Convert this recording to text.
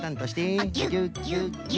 ギュッギュッギュ。